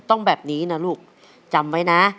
ต้องแบบนี้นะลูกจำไว้นะ